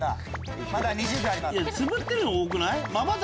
つぶってるの多くない？